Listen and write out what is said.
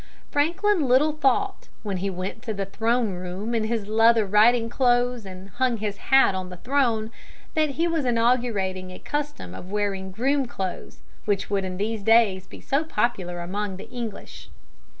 Franklin little thought, when he went to the throne room in his leather riding clothes and hung his hat on the throne, that he was inaugurating a custom of wearing groom clothes which would in these days be so popular among the English.